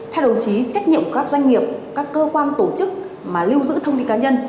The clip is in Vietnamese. theo đồng chí trách nhiệm của các doanh nghiệp các cơ quan tổ chức mà lưu giữ thông tin cá nhân